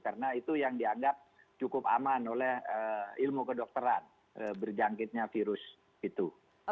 karena itu yang dianggap cukup aman oleh ilmu kedokteran berjangkitnya virus itu